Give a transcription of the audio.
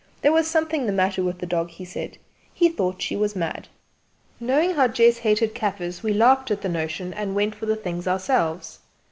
There was something the matter with the dog, he said; he thought she was mad. Knowing how Jess hated kaffirs we laughed at the notion, and went for the things ourselves.